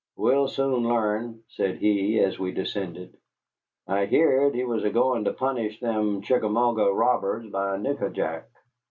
"We'll soon l'arn," said he, as we descended. "I heerd he was agoin' to punish them Chickamauga robbers by Nick a jack."